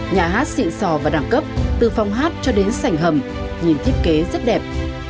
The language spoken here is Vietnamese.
nhà hát xịn sò và đẳng cấp từ phòng hát cho đến sảnh hầm nhìn thiết kế rất đẹp